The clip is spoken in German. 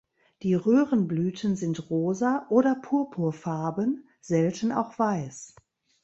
Die Röhrenblüten sind rosa- oder purpurfarben, selten auch weiß.